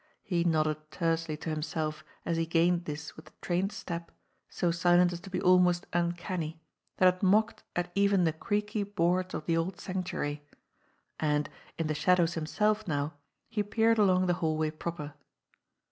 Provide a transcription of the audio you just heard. He nodded tersely to himself as he gained this with the trained step, so silent as to be almost uncanny, that had mocked at even the creaky boards of the old Sanctuary, and, in the shadows himself now, he peered along the hallway proper.